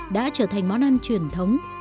đã trở thành món ăn truyền thống